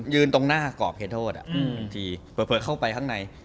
ยืนตรงหน้ากรอบเคทศเปิดเข้าไปข้างใน